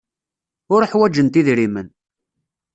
Ur ḥwajent idrimen.